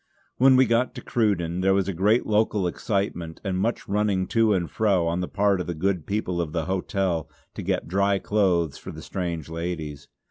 When we got to Cruden there was great local excitement, and much running to and fro on the part of the good people of the hotel to get dry clothes for the strange ladies.